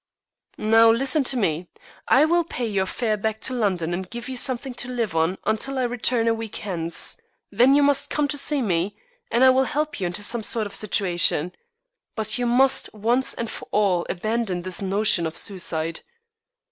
"Now listen to me. I will pay your fare back to London and give you something to live on until I return a week hence. Then you must come to see me, and I will help you into some sort of situation. But you must once and for all abandon this notion of suicide."